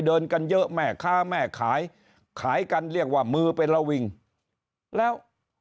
เดินกันเยอะแม่ค้าแม่ขายขายกันเรียกว่ามือเป็นระวิงแล้ว